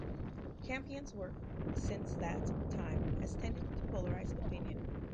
Campion's work since that time has tended to polarize opinion.